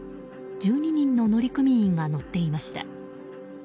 １２人の乗組員が乗っていました。